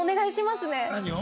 何を？